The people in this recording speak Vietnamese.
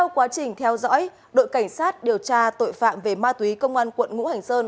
quá trình theo dõi đội cảnh sát điều tra tội phạm về ma túy công an quận ngũ hành sơn